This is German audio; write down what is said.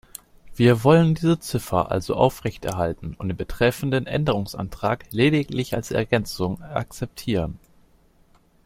Wir wollen diese Ziffer also aufrechterhalten und den betreffenden Änderungsantrag lediglich als Ergänzung akzeptieren.